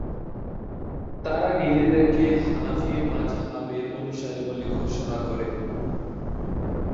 তারা নিজেদেরকে হানাফি মাজহাবের অনুসারী বলে ঘোষণা করে।